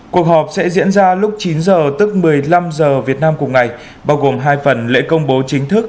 cuộc họp sẽ diễn ra lúc chín h tức một mươi năm h việt nam cùng ngày bao gồm hai phần lễ công bố chính thức